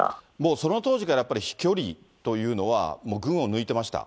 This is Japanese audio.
その当時からやっぱり、飛距離というのは群を抜いてました？